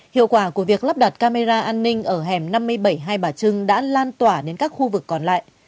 hiệu quả của việc lắp đặt camera an ninh ở hẻm năm mươi bảy hai bà trưng đã lan tỏa đến các khu vực còn lại